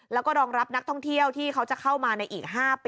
แล้วก็รองรับนักท่องเที่ยวที่เขาจะเข้ามาในอีก๕ปี